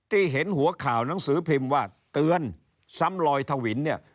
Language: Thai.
ที่เห็นหัวข่าวหนังสือพิมพ์ว่าเตือนซ้ำลอยทวินเนี่ย